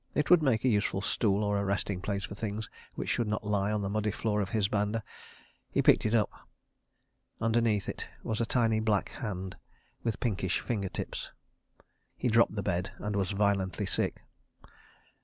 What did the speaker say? It would make a useful stool or a resting place for things which should not lie on the muddy floor of his banda. He picked it up. Underneath it was a tiny black hand with pinkish finger tips. He dropped the bed and was violently sick.